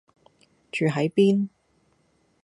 住喺邊